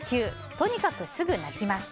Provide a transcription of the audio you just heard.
とにかくすぐ泣きます。